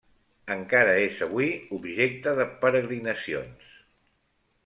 Encara és avui objecte de peregrinacions.